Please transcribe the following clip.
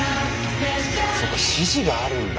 そっか指示があるんだ。